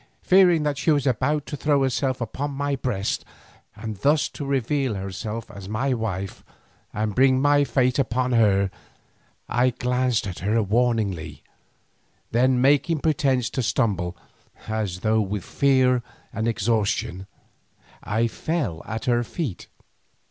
Fearing that she was about to throw herself upon my breast, and thus to reveal herself as my wife, and bring my fate upon her, I glanced at her warningly, then making pretence to stumble, as though with fear and exhaustion, I fell at her feet.